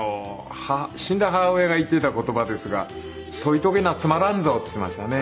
死んだ母親が言っていた言葉ですが「添い遂げなつまらんぞ」って言っていましたね。